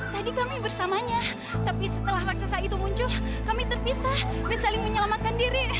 tadi kami bersamanya tapi setelah raksasa itu muncul kami terpisah dan saling menyelamatkan diri